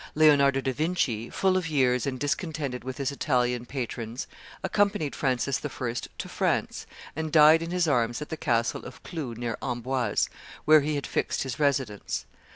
Leonardo da Vinci, full of years and discontented with his Italian patrons, accompanied Francis I. to France, and died in his arms at the castle of Clou, near Amboise, where he had fixed his residence.